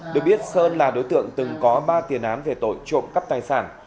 được biết sơn là đối tượng từng có ba tiền án về tội trộm cắp tài sản